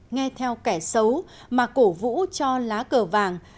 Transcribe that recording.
nghe theo kẻ xấu mà cổ vũ cho lá cờ vàng